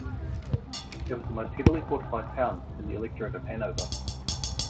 It was the most heavily fortified town in the Electorate of Hanover.